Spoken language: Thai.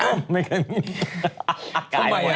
อ้าวไม่เคยมี